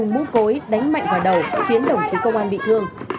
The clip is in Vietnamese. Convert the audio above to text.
cũng bất ngờ dùng mũ cối đánh mạnh vào đầu khiến đồng chí công an bị thương